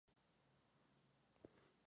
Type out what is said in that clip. En los cuartos de final enfrenta a Brown.